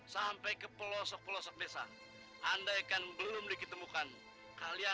ketika kita berdua kita tidak bisa menemukan keti